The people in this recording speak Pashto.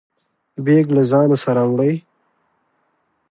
بیګ له ځانه سره وړئ؟